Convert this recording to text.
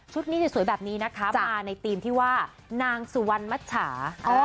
นี้สวยแบบนี้นะคะมาในธีมที่ว่านางสุวรรณมัชชา